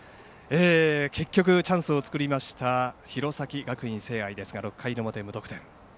結局、チャンスを作りました弘前学院聖愛ですが６回の表、無得点。